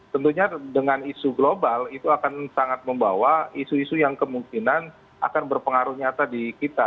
tentunya dengan isu global itu akan sangat membawa isu isu yang kemungkinan akan berpengaruh nyata di kita